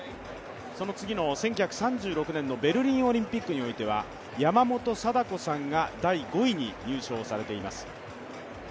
その次の１９３６年のベルリンオリンピックにおいては山本さんが第５位に入賞されています。